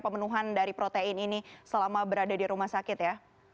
pemenuhan dari protein ini selama berada di rumah sakit ya